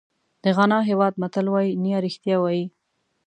د غانا هېواد متل وایي نیا رښتیا وایي.